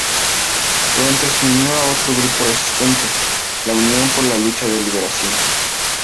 Pronto se unió a otro grupo resistente, la Unión por la Lucha de Liberación.